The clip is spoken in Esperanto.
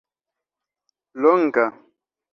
longa